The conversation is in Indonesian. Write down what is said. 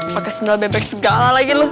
pake sendal bebek segala lagi lu